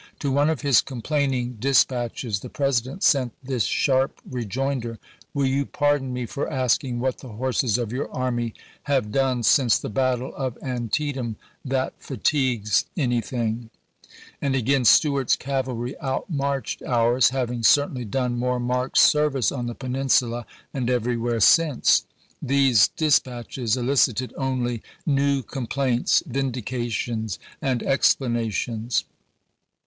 To one of his complaining dis patches the President sent this sharp rejoinder :" "Will you pardon me for asking what the horses of your army have done since the battle of Antie voi. xix., Part II. tam that fatigues anything? " And again :" Stuart's p 485." cavalry outmarched ours, having certainly done more marked service on the Peninsula and every where since." These dispatches elicited only new ibid.,p.49o. complaints, vindications, and explanations.